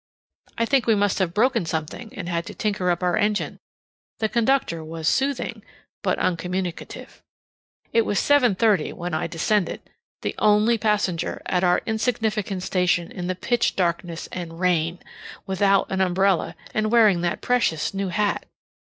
I think we must have broken something, and had to tinker up our engine. The conductor was soothing, but uncommunicative. It was 7:30 when I descended, the only passenger, at our insignificant station in the pitch darkness and RAIN, without an umbrella, and wearing that precious new hat.